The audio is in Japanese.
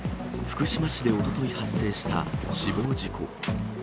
福島市でおととい発生した死亡事故。